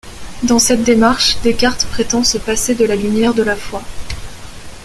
Dans cette démarche, Descartes prétend se passer de la lumière de la foi.